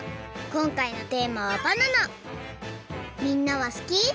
こんかいのテーマはみんなはすき？